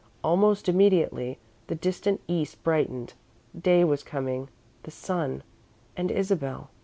Almost immediately, the distant East brightened. Day was coming the sun, and Isabel.